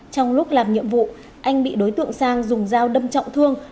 trong lúc làm nhiệm vụ anh bị đối tượng sang dùng dao đâm trọng thương